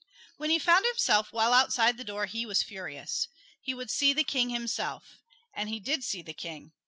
When he found himself well outside the door he was furious. He would see the King himself. And he did see the King.